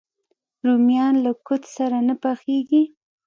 رومیان له کوچ سره نه پخېږي